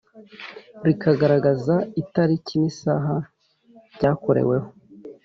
rikagaragaza itariki n isaha byakoreweho